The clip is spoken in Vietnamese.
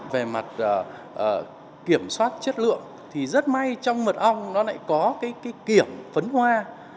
về mặt kiểm soát chất lượng thì rất may trong mật ong nó lại có cái kiểm phấn hoa